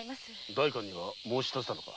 代官には申し立てたのか？